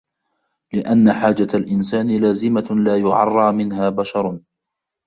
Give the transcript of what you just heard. لِأَنَّ حَاجَةَ الْإِنْسَانِ لَازِمَةٌ لَا يُعَرَّى مِنْهَا بَشَرٌ